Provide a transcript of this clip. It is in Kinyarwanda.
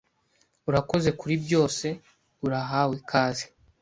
"Urakoze kuri byose." "Urahawe ikaze."